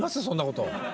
そんなこと。